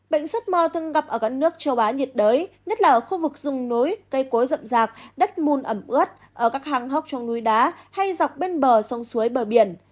bệnh xuất mò thường gặp ở các nước châu á nhiệt đới nhất là ở khu vực rừng núi cây cối rậm rạc đất mùn ẩm ướt ở các hang hốc trong núi đá hay dọc bên bờ sông suối bờ biển